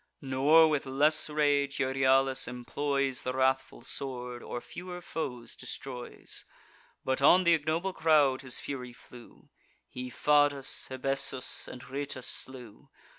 Nor with less rage Euryalus employs The wrathful sword, or fewer foes destroys; But on th' ignoble crowd his fury flew; He Fadus, Hebesus, and Rhoetus slew.